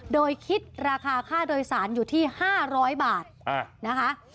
โดยคิดราคาค่าโดยสารอยู่ที่๕๐๐บาทนะคะ